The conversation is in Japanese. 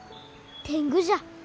天狗じゃ。